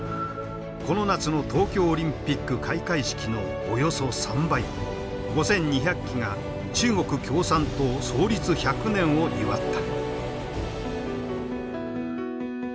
この夏の東京オリンピック開会式のおよそ３倍５，２００機が中国共産党創立１００年を祝った。